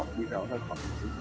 để nó ra khỏi tình hình tội